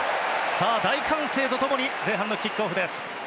さあ、大歓声と共に前半のキックオフです。